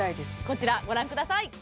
こちらご覧ください